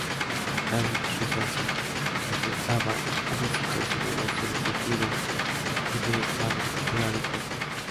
David Richardson regentaba un exitoso negocio de curtido y de manufactura de cuero.